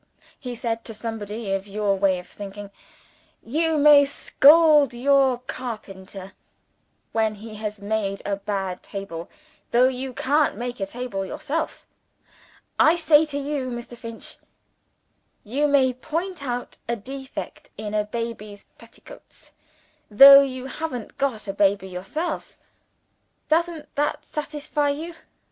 (he said to somebody of your way of thinking) 'you may scold your carpenter, when he has made a bad table, though you can't make a table yourself.' I say to you 'Mr. Finch, you may point out a defect in a baby's petticoats, though you haven't got a baby yourself!' Doesn't that satisfy you?